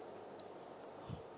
jadi bukan kita sendiri